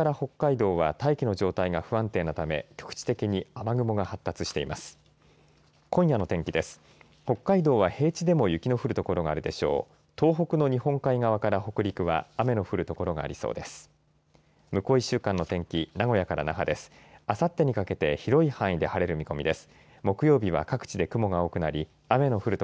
東北の日本海側から北陸は雨の降る所がありそうです。